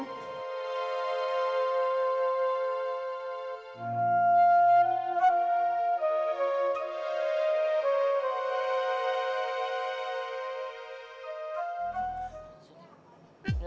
terima kasih mak